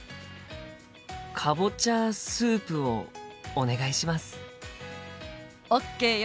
かぼちゃスープをお願いします。ＯＫよ。